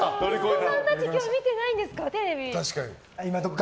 お子さんたち今テレビ見てないんですかね。